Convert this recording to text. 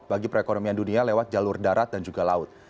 bagi perekonomian dunia lewat jalur darat dan juga laut